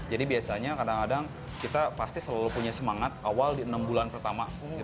jadi biasanya kadang kadang kita pasti selalu punya semangat awal di enam bulan pertama